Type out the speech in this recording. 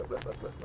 empat dua dua